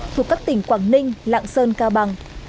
thuộc các tỉnh quảng ninh lạng sơn cao bằng